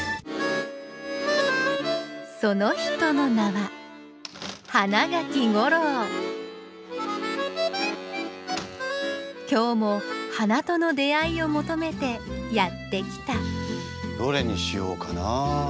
その人の名は今日も花との出会いを求めてやって来たどれにしようかな。